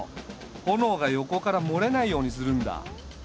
炎が横から漏れないようにするんだ。